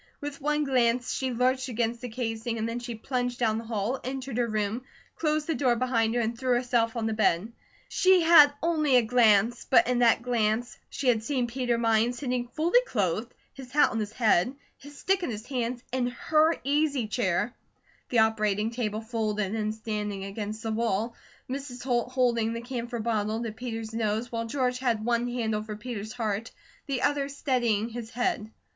With one glance she lurched against the casing and then she plunged down the hall, entered her room, closed the door behind her, and threw herself on the bed. She had only a glance, but in that glance she had seen Peter Mines sitting fully clothed, his hat on his head, his stick in his hands, in her easy chair; the operating table folded and standing against the wall; Mrs. Holt holding the camphor bottle to Peter's nose, while George had one hand over Peter's heart, the other steadying his head.